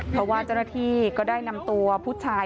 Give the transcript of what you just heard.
เพราะว่าเจ้าหน้าที่ก็ได้นำตัวผู้ชาย